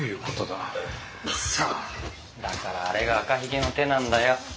だからあれが赤ひげの手なんだよ。